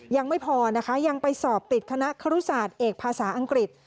ยังไม่พอนะคะยังไปสอบติดคณะครุศาสตร์เอกภาษาอังกฤษ